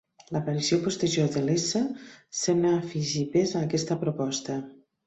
L'aparició posterior del s sembla afegir pes a aquesta proposta.